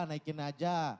nah naikin aja